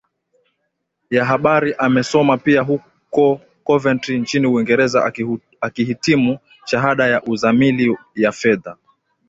ya Habari Amesoma pia huko Coventry nchini Uingereza akihitimu Shahada ya Uzamili ya Fedha